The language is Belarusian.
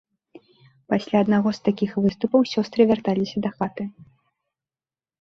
Пасля аднаго з такіх выступаў сястры вярталіся дахаты.